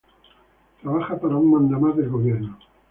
Trabajaba para un mandamás del gobierno